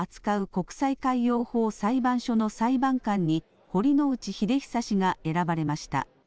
国際海洋法裁判所の裁判官に堀之内秀久氏が選ばれました。